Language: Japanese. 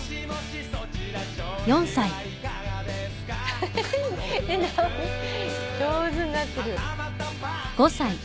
フフフ上手になってる。